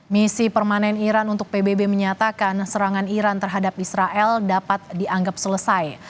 misi permanen iran untuk pbb menyatakan serangan iran terhadap israel dapat dianggap selesai